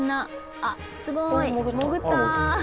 あっすごい潜った。